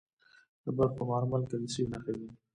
د بلخ په مارمل کې د څه شي نښې دي؟